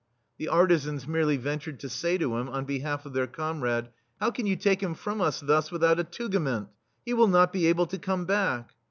The artisans merely ventured to say to him, on behalf of their comrade: "How can you take him from us thus without a tugament ?* He will not be able to come back."